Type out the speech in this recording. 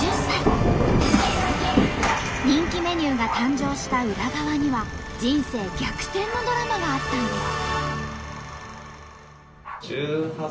人気メニューが誕生した裏側には人生逆転のドラマがあったんです。